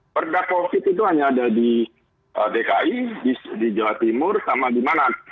perda covid itu hanya ada di dki di jawa timur sama di mana